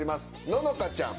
ののかちゃん。